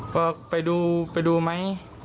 ก็ไปดูไปดูมั้ย